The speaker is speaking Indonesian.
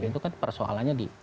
itu kan persoalannya di